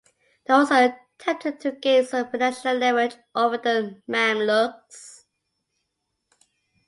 They also attempted to gain some financial leverage over the Mamluks.